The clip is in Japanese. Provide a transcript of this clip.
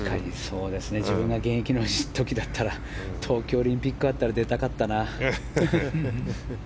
自分が現役の時だったら東京オリンピックあったら出たかったな。